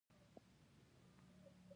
محمود د مرکې پرېکړه ونه منله.